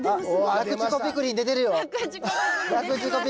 ラクチュコピクリン出てます。